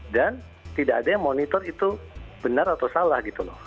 dan tidak ada yang monitor itu benar atau salah gitu loh